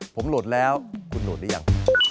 ผมโหลดแล้วคุณโหลดหรือยัง